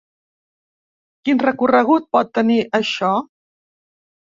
Quin recorregut pot tenir, això?